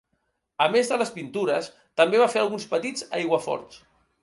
A més de les pintures, també va fer alguns petits aiguaforts.